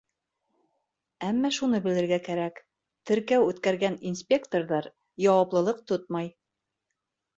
Әммә шуны белергә кәрәк: теркәү үткәргән инспекторҙар яуаплылыҡ тотмай.